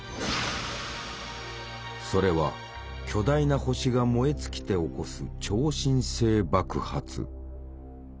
それは巨大な星が燃え尽きて起こす超新星爆発。